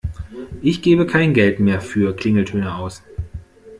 Ich gebe kein Geld mehr für Klingeltöne aus.